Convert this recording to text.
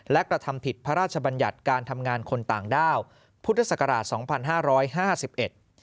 และกระทำผิดพระราชบัญญัติการทำงานคนต่างด้าวพุทธศักราชสองพันห้าร้อยห้าสิบเอ็ด